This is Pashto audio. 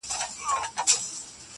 اوس ژاړي، اوس کتاب ژاړي، غزل ژاړي_